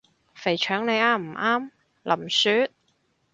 肥腸你啱唔啱？林雪？